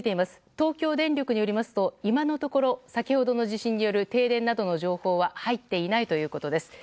東京電力によりますと今のところ先ほどの地震による停電などの情報は入っていないということです。